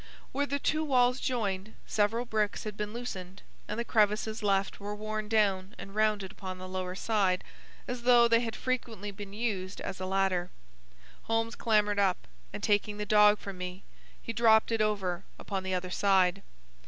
Where the two walls joined, several bricks had been loosened, and the crevices left were worn down and rounded upon the lower side, as though they had frequently been used as a ladder. Holmes clambered up, and, taking the dog from me, he dropped it over upon the other side.